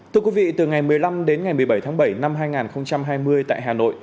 thưa quý vị từ ngày một mươi năm đến ngày một mươi bảy tháng bảy năm hai nghìn hai mươi tại hà nội